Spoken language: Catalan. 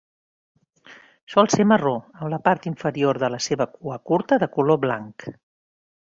Sol ser marró, amb la part inferior de la seva cua curta de color blanc.